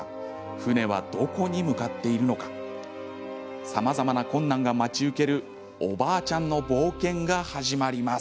船はどこに向かっているのかさまざまな困難が待ち受けるおばあちゃんの冒険が始まります。